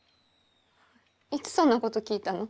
いつそんなこと聞いたの？